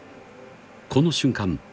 この瞬間